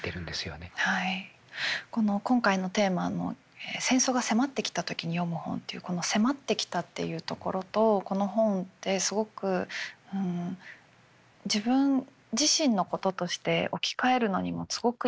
この今回のテーマの「戦争が迫ってきた時に読む本」っていうこの「迫ってきた」っていうところとこの本ってすごく自分自身のこととして置き換えるのにもすごくいい本だなって思って。